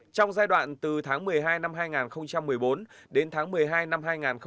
trong giai đoạn từ tháng một mươi hai năm hai nghìn một mươi bốn đến tháng một mươi hai năm hai nghìn một mươi tám